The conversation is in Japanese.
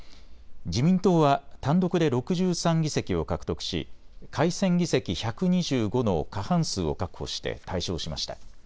自民党は単独で６３議席を獲得し改選議席１２５の過半数を確保して大勝しました。